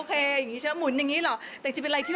เดินอย่างงี้ใช่ไหม